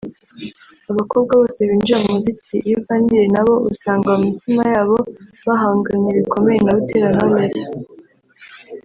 Abakobwa bose binjira mu muziki iyo uganiriye na bo usanga mu mitima yabo bahanganye bikomeye na Butera Knowless